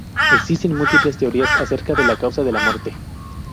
Existen múltiples teorías acerca de la causa de la muerte.